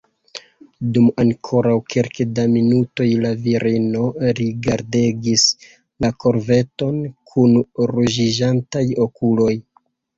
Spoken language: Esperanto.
Dum ankoraŭ kelke da minutoj la virino rigardegis la koverton kun ruĝiĝantaj okuloj.